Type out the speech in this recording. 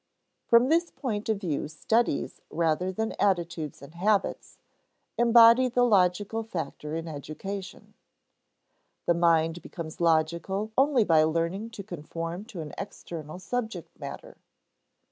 From this point of view studies, rather than attitudes and habits, embody the logical factor in education. The mind becomes logical only by learning to conform to an external subject matter.